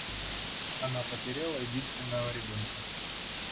Она потеряла единственного ребенка.